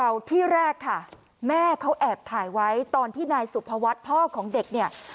เอาที่แรกค่ะแม่เขาแอบถ่ายไว้ตอนที่นายสุภวัฒน์พ่อของเด็กเนี่ย